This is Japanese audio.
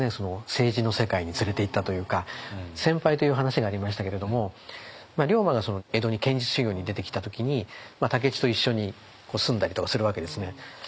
政治の世界に連れていったというか先輩という話がありましたけれども龍馬が江戸に剣術修行に出てきた時に武市と一緒に住んだりとかするわけですね。